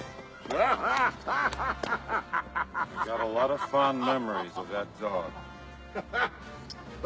アハハハ！